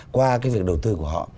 qua cái việc đầu tư của họ